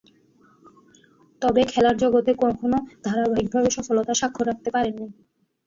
তবে, খেলার জগতে কখনো ধারাবাহিকভাবে সফলতার স্বাক্ষর রাখতে পারেননি।